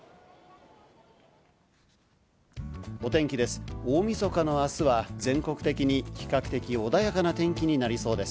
お天気です。